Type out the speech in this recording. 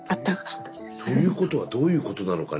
ということはどういうことなのかね。